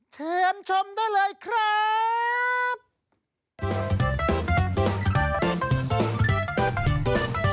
เชิญชมได้เลยครับ